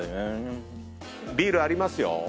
ビールありますよ。